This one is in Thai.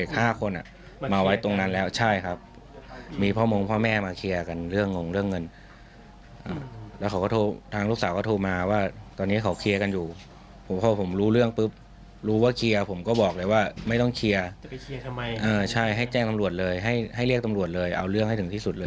ทำให้แจ้งตำรวจเลยให้เรียกตำรวจเลยเอาเรื่องให้ถึงที่สุดเลย